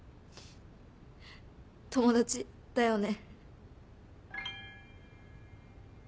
友達だよね？